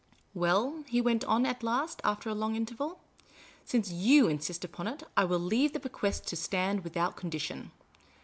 " Well," he went on at last, after a long interval ;" since jw< insist upon it, I will leave the bequest to stand without condition."